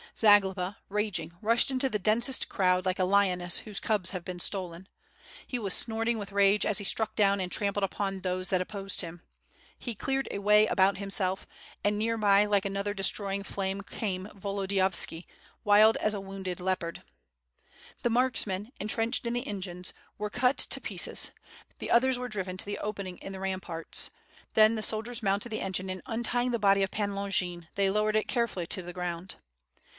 Zagloba, raging, rushed into the densest crowd like a lioness whose cubs have been stolen. He was snorting with rage and he struck down and trampled upon those that op WITH FIRE AND SWORD, 771 posed him; he cleared a way about himself, and nearby like another destroying flame came V^olodiyovski, wild as a wound ed leopard. The marksmen, entrenched in the engines, were cut to pieces; the others were driven to the opening in the ramparts. Then the soldiers mounted the engine and untying the body of Pan Longin, they lowered it carefully to the ground.